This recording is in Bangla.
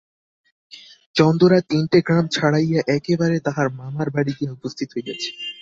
চন্দরা তিনটে গ্রাম ছাড়াইয়া একেবারে তাহার মামার বাড়ি গিয়া উপস্থিত হইয়াছে।